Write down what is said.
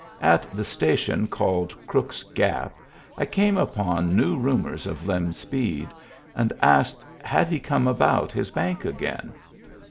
At the station called Crook's Gap I came upon new rumors of Lem Speed, and asked, had he come about his bank again